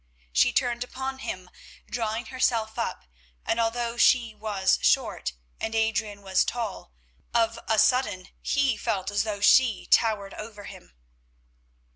She turned upon him, drawing herself up, and although she was short and Adrian was tall, of a sudden he felt as though she towered over him.